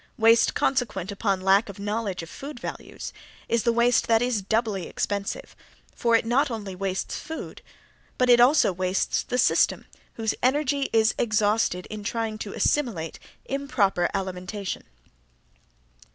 Waste consequent upon lack of knowledge of food values is the waste that is doubly expensive for it not only wastes food but it also wastes the system whose energy is exhausted in trying to assimilate improper alimentation.